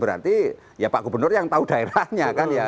berarti ya pak gubernur yang tahu daerahnya kan ya